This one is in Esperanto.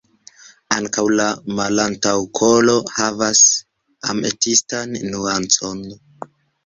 Ankaŭ la malantaŭkolo havas ametistan nuancon.